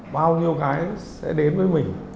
bao nhiêu cái sẽ đến với mình